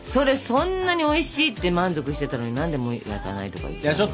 そんなにおいしいって満足してたのに何でもう焼かないとか言っちゃうの？